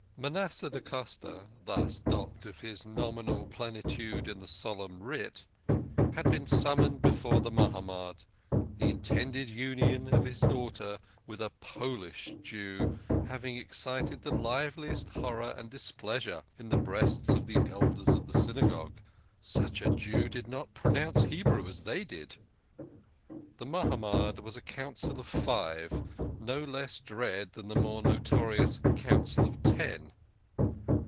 MANASSEH DA COSTA (thus docked of his nominal pleni tude in the solemn writ) had been summoned before the Mahama'd, the intended union of his daughter with a Polish Jew having excited the liveliest horror and displeasure in the breasts of the Elders of the Synagogue. Such a Jew did not pronounce Hebrew as they did ! The Mahamad was a Council of Five, no less dread than the more notorious Council of Ten.